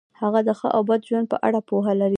هغه د ښه او بد ژوند په اړه پوهه لري.